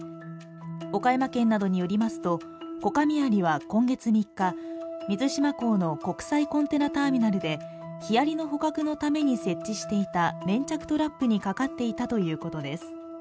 岡山県などによりますとコカミアリは今月３日、水島港の国際コンテナターミナルでヒアリの捕獲のために設置していた粘着トラップにかかっていたということです。